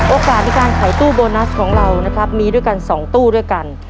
โอกาสในการขายตู้โบนัสของเรานะครับมีด้วยกัน๒ตู้ด้วยกัน